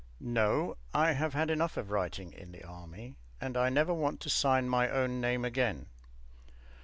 No, I have had enough of writing in the Army and I never want to sign my own name again.